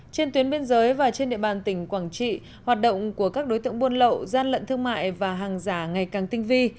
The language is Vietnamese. trên tuyến biên giới và trên địa bàn tỉnh quảng trị hoạt động của các đối tượng buôn lậu gian lận thương mại và hàng giả ngày càng tinh vi